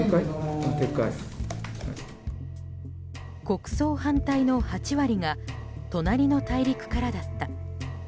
国葬反対の８割が隣の大陸からだった。